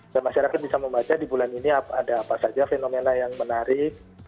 dan masyarakat bisa membaca di bulan ini ada apa saja fenomena yang menarik